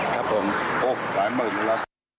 ครับผมพกหลายหมื่นแล้ว